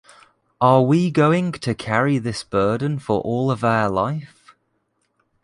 Are we going to carry this burden for all of our life?